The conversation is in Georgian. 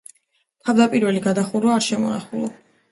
თავდაპირველი გადახურვა არ შემონახულა.